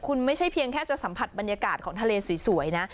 คุณไม่ใช่เพียงแค่จะสัมผัสบรรยากาศของทะเลสวยนะ